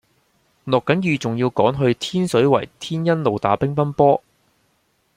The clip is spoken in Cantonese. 落緊雨仲要趕住去天水圍天恩路打乒乓波